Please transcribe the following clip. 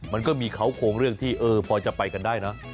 มันก็มีเขาโครงเรื่องที่พอจะไปกันได้นะ